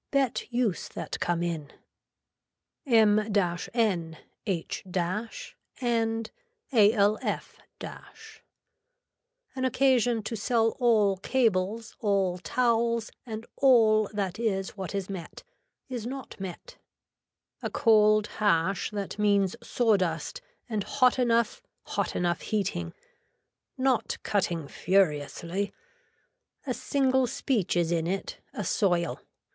Bet use that come in. M N H AND ALF . An occasion to sell all cables all towels and all that is what is met, is not met. A cold hash that means saw dust and hot enough, hot enough heating. Not cutting furiously. A single speech is in it, a soil.